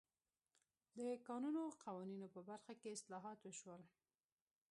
د کانونو قوانینو په برخه کې اصلاحات وشول.